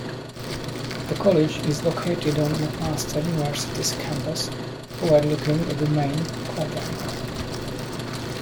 The College is located on McMaster University's campus overlooking the main quadrangle.